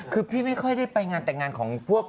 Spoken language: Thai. คือพี่ไม่ค่อยได้ไปงานแต่งงานของพวก